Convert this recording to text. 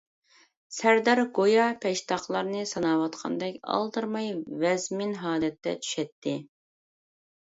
سەردار گويا پەشتاقلارنى ساناۋاتقاندەك ئالدىرىماي ۋەزمىن ھالەتتە چۈشەتتى.